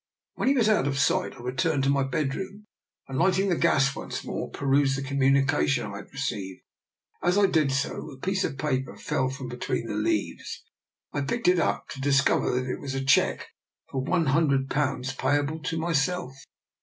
When he was out of sight I returned to my bedroom, and, lighting the gas, once more perused the communication I had received. As I did so a piece of paper fell from between the leaves. I picked it up, to discover that it was a 68 DR. NIKOLA'S EXPERIMENT. cheque for one hundred pounds payable to myself.